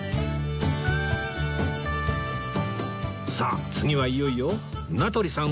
さあ次はいよいよ名取さん